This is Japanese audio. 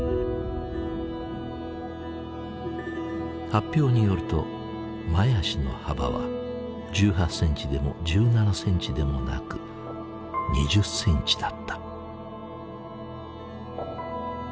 発表によると前足の幅は１８センチでも１７センチでもなく２０センチだった。